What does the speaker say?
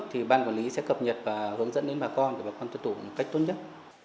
thì ban quản lý sẽ cập nhật và hướng dẫn đến bà con để bà con tuân thủ một cách tốt nhất